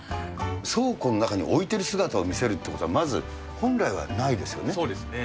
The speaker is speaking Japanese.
倉庫の中に置いてる姿を見せるということは、まず本来はないそうですね。